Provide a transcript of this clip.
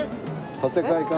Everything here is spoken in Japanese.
建て替えかな？